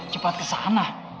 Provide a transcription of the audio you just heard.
cepat ke sana